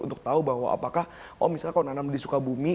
untuk tahu bahwa apakah oh misalnya kalau nanam di sukabumi